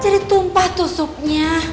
jadi tumpah tuh supnya